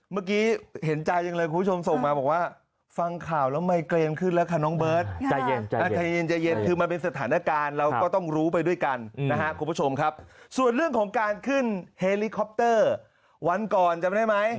เมื่อกี้เห็นใจยังเลยคุณผู้ชมส่งมาบอกว่า